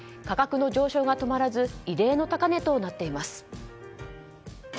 価格の上昇が止まらず異例の高値となっています。